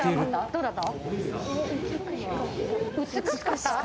どうだった？